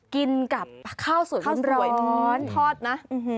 กินกับข้าวสวยร้อนทอดนะ